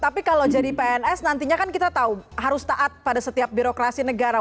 tapi kalau jadi pns nantinya kan kita tahu harus taat pada setiap birokrasi negara